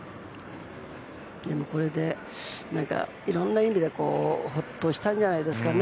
でもこれでいろんな意味でほっとしたんじゃないんですかね。